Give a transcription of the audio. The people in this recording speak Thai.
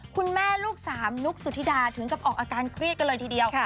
คุณแม่ลูกสามนุกสุธิดาถึงกับออกอาการเครียดกันเลยทีเดียว